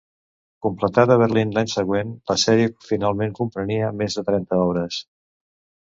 Completat a Berlín l'any següent, la sèrie finalment comprenia més de trenta obres.